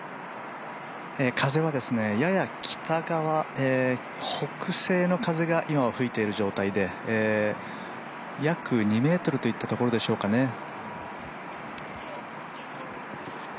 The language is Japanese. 風は北西の風が今は吹いている状態で約２ｍといったところでしょうかね。